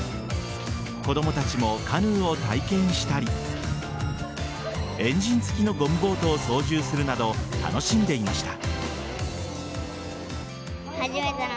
子供たちもカヌーを体験したりエンジン付きのゴムボートを操縦するなど楽しんでいました。